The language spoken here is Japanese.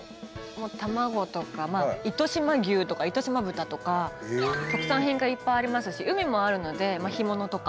卵とか糸島牛とか糸島豚とか特産品がいっぱいありますし海もあるので干物とか。